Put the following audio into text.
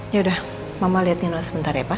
yaudah mama liat nino sebentar ya pak